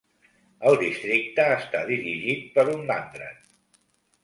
El districte està dirigit per un "Landrat".